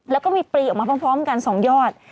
แล้วก็มีปลีออกมาพร้อมกัน๒ยอด